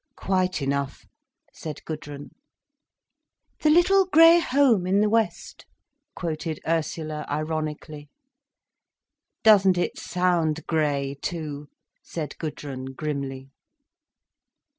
"Quite enough," said Gudrun. "The little grey home in the west," quoted Ursula ironically. "Doesn't it sound grey, too," said Gudrun grimly.